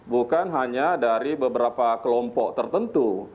bukan hanya dari beberapa kelompok tertentu